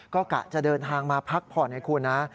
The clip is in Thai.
ก็กะจะเดินทางมาพักผ่อนให้คุณนะ